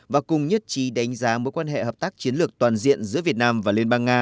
và cùng nhất trí đánh giá mối quan hệ hợp tác chiến lược toàn diện giữa việt nam và liên bang nga